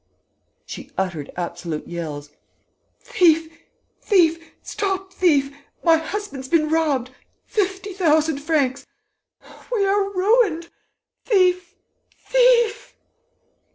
She uttered absolute yells: "Thief! Thief! Stop thief!... My husband's been robbed!... Fifty thousand francs!... We are ruined!... Thief! Thief